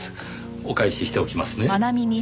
お返ししておきますね。